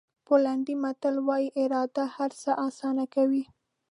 پولنډي متل وایي اراده هر څه آسانه کوي.